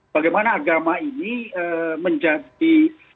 bagaimana agama ini menjadi